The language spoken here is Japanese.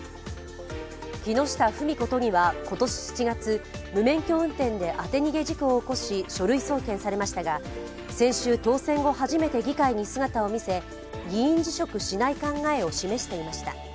木下富美子都議は今年７月無免許運転で当て逃げ事故を起こし書類送検されましたが先週、当選後初めて議会に姿を見せ議員辞職しない考えを示していました。